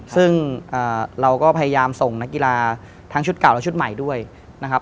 ซึ่งเราก็พยายามส่งนักกีฬาทั้งชุดเก่าและชุดใหม่ด้วยนะครับ